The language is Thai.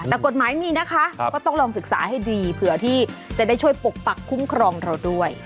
แต่กฎหมายมีนะคะก็ต้องลองศึกษาให้ดีเผื่อที่จะได้ช่วยปกปักคุ้มครองเราด้วย